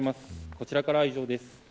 こちらからは以上です。